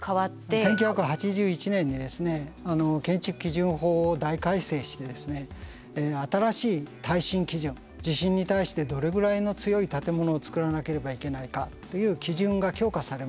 １９８１年に建築基準法を大改正して新しい耐震基準地震に対してどれぐらいの強い建物を造らなければいけないかという基準が強化されました。